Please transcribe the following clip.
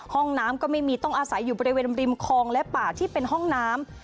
ห้องน้ำก็ไม่มีต้องอาศัยอยู่บริเวณริมคลองและป่าที่เป็นห้องน้ำ